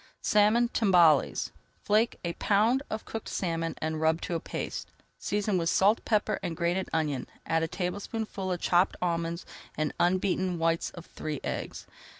SALMON TIMBALES Flake a pound of cooked salmon and rub to a paste. Season with salt, pepper, and grated onion, add a tablespoonful of chopped almonds and [Page 292] the unbeaten whites of three eggs.